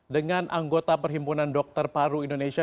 dengan anggota perhimpunan dokter paru indonesia